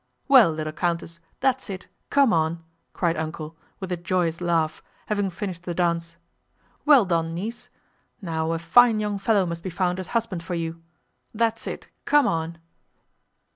"Well, little countess; that's it—come on!" cried "Uncle," with a joyous laugh, having finished the dance. "Well done, niece! Now a fine young fellow must be found as husband for you. That's it—come on!"